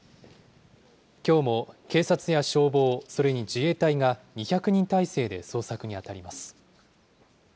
きょうも警察や消防、それに自衛隊が２００人態勢で捜索に当たります。